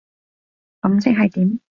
噉即係點？